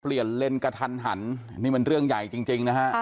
เปลี่ยนเลนส์กระทันหันนี่มันเรื่องใหญ่จริงจริงนะฮะ